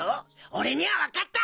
俺には分かった！